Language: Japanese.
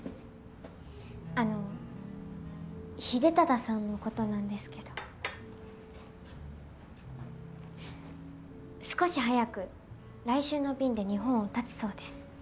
あの秀忠さんのことなんですけど少し早く来週の便で日本を発つそうです。